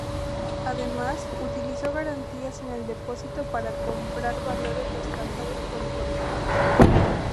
Además, utilizó garantías en depósito para comprar valores respaldados por hipotecas.